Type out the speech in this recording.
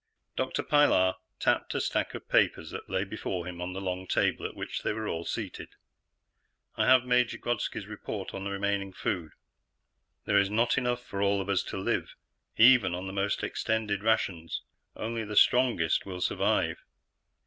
Dr. Pilar tapped a stack of papers that lay before him on the long table at which they were all seated. "I have Major Grodski's report on the remaining food. There is not enough for all of us to live, even on the most extended rations. Only the strongest will survive."